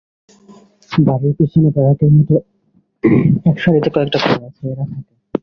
বাড়ির পিছনে ব্যারাকের মতো একসারিতে কয়েকটা ঘর আছে, এরা থাকে।